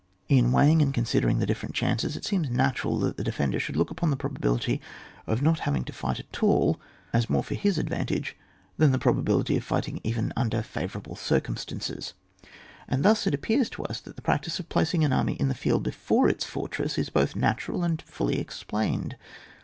In weighing and considering the differ ent chances, it seems natural that the defender should look upon the proba bility of not having to fight at all as more for his advantage than the probability of fighting even under favourable circum stances. And thus it appears to us that the practice of placing an army in the field before its fortress, is both natural and fully explained.